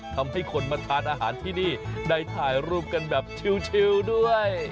ทำให้คนมาทานอาหารที่นี่ได้ถ่ายรูปกันแบบชิลด้วย